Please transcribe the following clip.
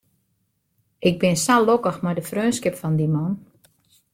Ik bin sa lokkich mei de freonskip fan dy man.